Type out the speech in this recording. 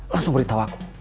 langsung beritahu aku